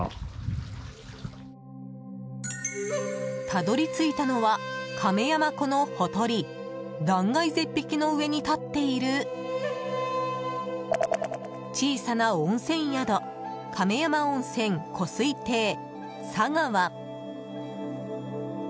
たどり着いたのは亀山湖のほとり断崖絶壁の上に立っている小さな温泉宿亀山温泉・湖水亭嵯峨和。